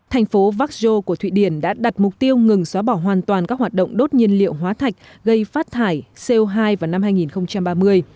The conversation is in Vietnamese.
thành phố vác châu của thụy điển đã đặt mục tiêu ngừng xóa bỏ hoàn toàn các hoạt động đốt nhiên liệu hóa thạch gây phát thải co hai vào năm hai nghìn ba mươi